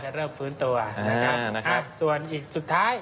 น่าจะเริ่มฟื้นตัวส่วนอีกสุดท้าย